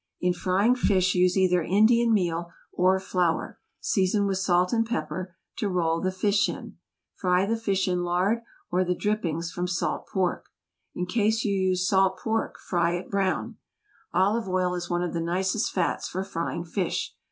In frying fish use either Indian meal or flour, seasoned with salt and pepper, to roll the fish in. Fry the fish in lard or the drippings from salt pork. In case you use salt pork, fry it brown. Olive oil is one of the nicest fats for frying fish.